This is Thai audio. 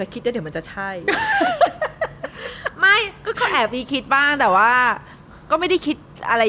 คิดว่าเดี๋ยวมันจะใช่ไม่ก็แอบมีคิดบ้างแต่ว่าก็ไม่ได้คิดอะไร